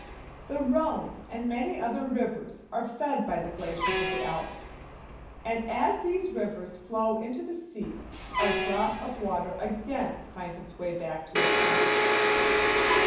The Rhone and many other rivers are fed by the glaciers of the Alps; and as these rivers flow into the sea, our drop of water again finds its way back to its home.